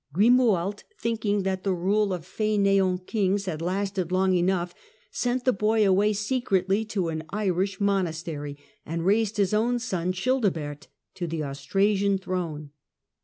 Grimoald, thinking that the rule of faineant kings had lasted long enough, sent the boy away secretly to an Irish monastery, and raised his own son Childebert to the Austrasian throne.